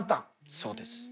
そうです。